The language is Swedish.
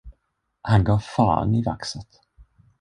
Han gav fan i vaxet.